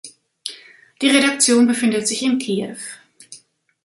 Die Redaktion befindet sich in Kiew.